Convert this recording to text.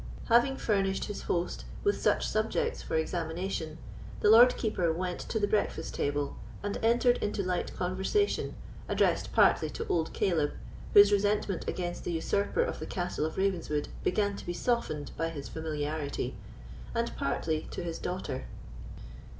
Having furnished his host with such subjects for examination, the Lord Keeper went to the breakfast table, and entered into light conversation, addressed partly to old Caleb, whose resentment against the usurper of the Castle of Ravenswood began to be softened by his familiarity, and partly to his daughter.